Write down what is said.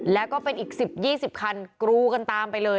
แล้วก็เป็นอีก๑๐๒๐คันกรูกันตามไปเลย